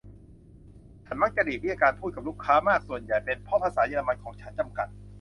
ฉันมักจะหลีกเลี่ยงการพูดกับลูกค้ามากส่วนใหญ่เป็นเพราะภาษาเยอรมันของฉัน จำกัด